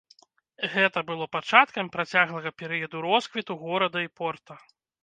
Гэта было пачаткам працяглага перыяду росквіту горада і порта.